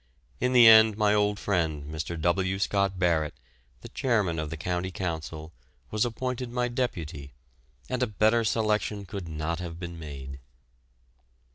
In the end my old friend, Mr. W. Scott Barrett, the chairman of the County Council, was appointed my deputy, and a better selection could not have been made.